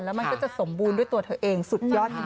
แล้วมันก็จะสมบูรณ์ด้วยตัวเธอเองสุดยอดจริง